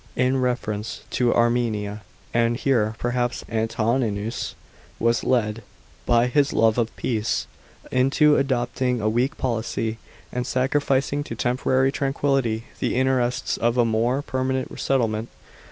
in reference to Armenia, and here perhaps Antoninus was led, by his love of peace, into adopting a weak policy, and sacrificing to temporary tranquillity the interests of a m<>re permanent settlement.